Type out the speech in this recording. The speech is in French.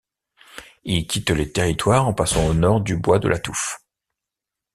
Il quitte le territoire en passant au nord du bois de la Touffe.